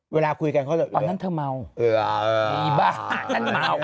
เวลาคุยกันเค้าจะ